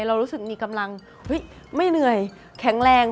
เรารู้สึกมีกำลังไม่เหนื่อยแข็งแรง